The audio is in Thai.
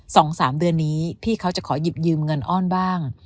สองสามเดือนนี้พี่เขาจะขอหยิบยืมเงินอ้อนบ้าง